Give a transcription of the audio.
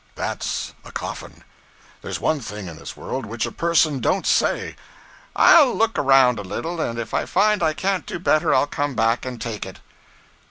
That's a coffin. There's one thing in this world which a person don't say "I'll look around a little, and if I find I can't do better I'll come back and take it."